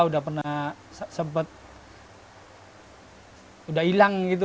udah pernah sempet udah hilang gitu